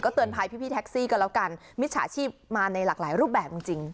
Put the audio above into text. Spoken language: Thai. เตือนภัยพี่แท็กซี่กันแล้วกันมิจฉาชีพมาในหลากหลายรูปแบบจริง